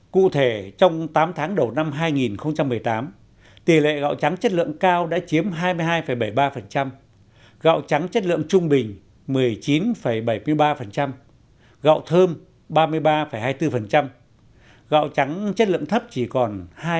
cụ thể trong tám tháng đầu năm hai nghìn một mươi tám tỷ lệ gạo trắng chất lượng cao đã chiếm hai mươi hai bảy mươi ba gạo trắng chất lượng trung bình một mươi chín bảy mươi ba gạo thơm ba mươi ba hai mươi bốn gạo trắng chất lượng thấp chỉ còn hai mươi